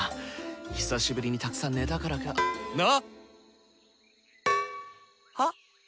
久しぶりにたくさん寝たからかな⁉は？